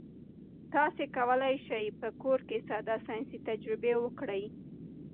تاسي کولای شئ په کور کې ساده ساینسي تجربې وکړئ.